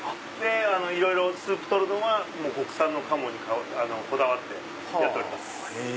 いろいろスープ取るのは国産の鴨にこだわってやっております。